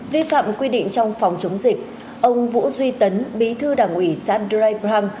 vi phạm quy định trong phòng chống dịch ông vũ duy tấn bí thư đảng ủy sandra bram